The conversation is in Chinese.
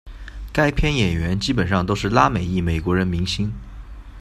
该片演员基本上都是拉美裔美国人明星。